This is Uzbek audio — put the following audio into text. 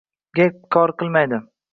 Gap kor qilmaydi.